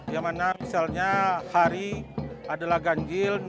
yang mana misalnya hari adalah ganjil